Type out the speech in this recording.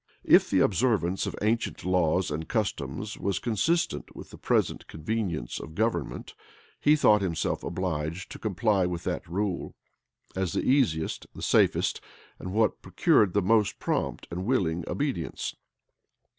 If the observance of ancient laws and customs was consistent with the present convenience of government, he thought himself obliged to comply with that rule, as the easiest, the safest, and what procured the most prompt and willing obedience.